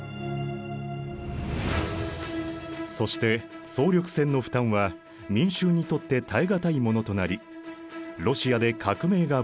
そして総力戦の負担は民衆にとって耐え難いものとなりロシアで革命が勃発。